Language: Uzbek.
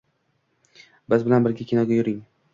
Biz bilan birga kinoga yuring.